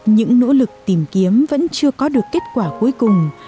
những nỗ lực tìm kiếm vẫn chưa có được kết quả cuối cùng